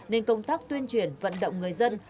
nên công tác tuyên truyền vận động người dân